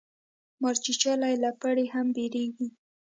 مار چیچلی له پړي هم بېريږي.